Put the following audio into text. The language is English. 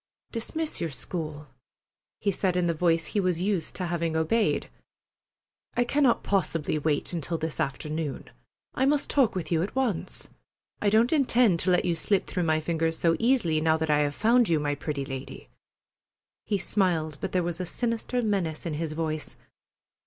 "Dismiss your school," he said in the voice he was used to having obeyed. "I cannot possibly wait until this afternoon. I must talk with you at once. I don't intend to let you slip through my fingers so easily, now that I have found you, my pretty lady." He smiled, but there was a sinister menace in his voice.